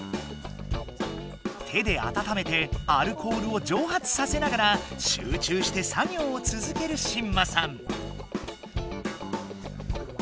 手であたためてアルコールをじょうはつさせながら集中して作業をつづけるしんまさん。